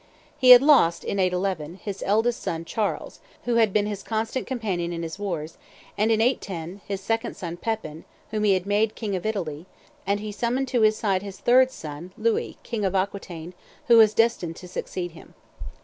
He had lost, in 811, his eldest son Charles, who had been his constant companion in his wars, and, in 810, his second son Pepin, whom he had made king of Italy; and he summoned to his side his third son Louis, king of Aquitaine, who was destined to succeed him.